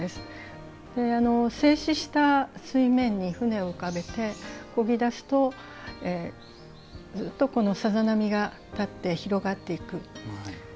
静止した水面に舟を浮かべてこぎだすとずっとさざ波が立って広がっていく。